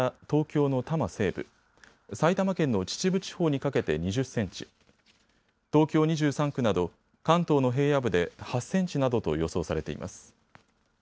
東京の多摩西部、埼玉県の秩父地方にかけて２０センチ、東京２３区など関東の平野部で８センチなどと予想されています。